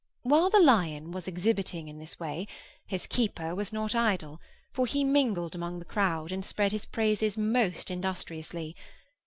While the lion was exhibiting in this way, his keeper was not idle, for he mingled among the crowd, and spread his praises most industriously.